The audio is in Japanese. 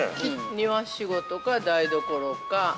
◆庭仕事や台所か。